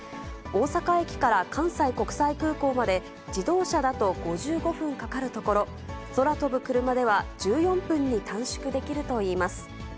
大阪駅から関西国際空港まで自動車だと５５分かかるところ、空飛ぶクルマでは１４分に短縮できるといいます。